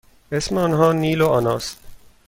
اسم آنها نیل و آنا است.